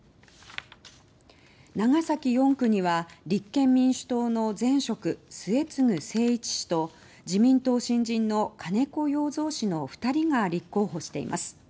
長崎４区には立憲民主党の前職末次精一氏と自民党新人の金子容三氏の２人が立候補しています。